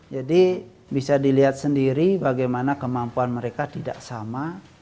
jadi bisa dilihat sendiri bagaimana kemampuan mereka tidak sama